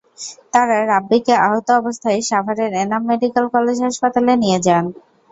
তাঁরা রাব্বীকে আহত অবস্থায় সাভারের এনাম মেডিকেল কলেজ হাসপাতালে নিয়ে যান।